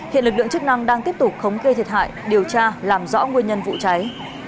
hiện lực lượng chức năng đang tiếp tục thống kê thiệt hại điều tra làm rõ nguyên nhân vụ cháy